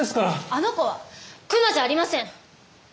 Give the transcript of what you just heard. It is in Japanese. あの子は熊じゃありません！